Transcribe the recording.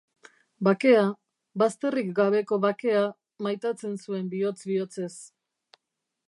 Bakea, bazterrik gabeko bakea, maitatzen zuen bihotz-bihotzez.